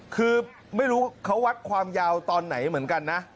คือไม่รู้เขาวัดความยาวตอนไหนเหมือนกันนะ